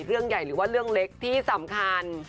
เรื่องใหญ่หรือว่าเรื่องเล็กที่สำคัญ